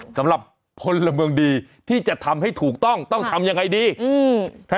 สำหรับพลเมืองดีที่จะทำให้ถูกต้องต้องทำยังไงดีอืม